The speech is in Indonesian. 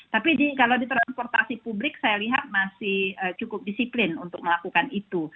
tapi kalau di transportasi publik saya lihat masih cukup disiplin untuk melakukan itu